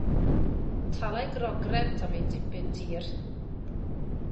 Talai grogrent am ei dipyn tir.